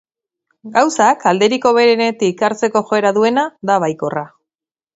Gauzak alderik hoberenetik hartzeko joera duena da baikorra.